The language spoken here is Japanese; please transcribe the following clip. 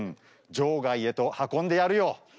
場外へと運んでやるよ。